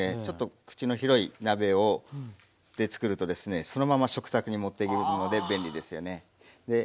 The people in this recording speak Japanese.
ちょっと口の広い鍋でつくるとですねそのまま食卓に持っていけるので便利ですよね。